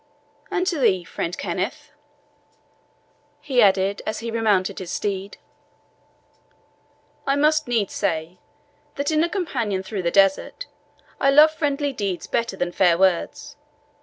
and to thee, friend Kenneth," he added, as he remounted his steed, "I must needs say, that in a companion through the desert, I love friendly deeds better than fair words.